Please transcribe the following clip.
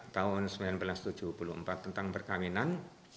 tahun seribu sembilan ratus tujuh puluh empat tentang perkawinan